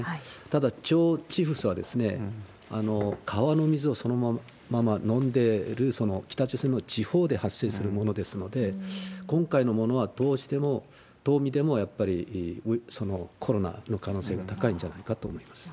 ただ、腸チフスは、川の水をそのまま飲んでる北朝鮮の地方で発生するものですので、今回のものは、どう見てもやっぱりコロナの可能性が高いんじゃないかと思います。